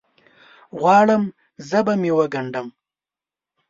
غواړم ژبه مې وګنډم